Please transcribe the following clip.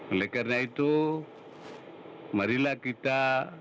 oleh karena itu marilah kita